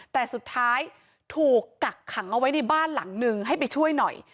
แต่สุดท้ายถูกกักขังเอาไว้ในบ้านหลังนึงให้ไปช่วยหน่อย